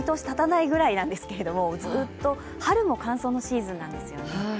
立たないぐらいなんですけど、ずーっと春も乾燥のシーズンなんですよね。